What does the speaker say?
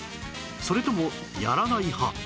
それともやらない派？